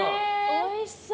おいしそう。